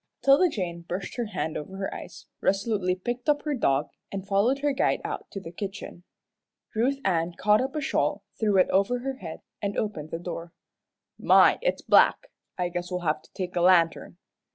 'Tilda Jane brushed her hand over her eyes, resolutely picked up her dog, and followed her guide out to the kitchen. Ruth Ann caught up a shawl, threw it over her head, and opened the door. "My it's black! I guess we'll have to take a lantern."